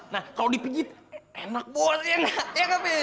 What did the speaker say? nah kalau dipijit enak bos enak